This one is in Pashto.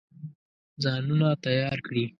ځانونه تیار کړي.